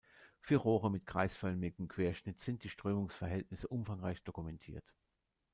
Für Rohre mit kreisförmigem Querschnitt sind die Strömungsverhältnisse umfangreich dokumentiert.